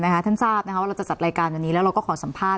ท่านทราบว่าเราจะจัดรายการวันนี้แล้วเราก็ขอสัมภาษ